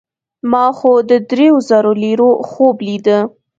ما خو د دریو زرو لیرو خوب لیده.